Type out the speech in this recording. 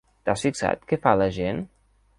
T'has fixat, què fa la gent?